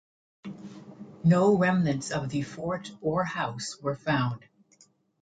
No remnants of the fort or house were found.